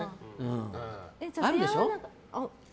あるでしょ？